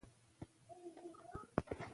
لوگر د افغانانو لپاره په معنوي لحاظ ارزښت لري.